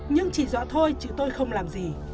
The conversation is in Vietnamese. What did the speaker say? nhưng chỉ dọa thôi chứ tôi không làm gì